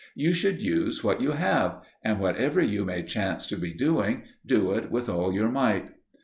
You should use what you have, and whatever you may chance to be doing, do it with all your might.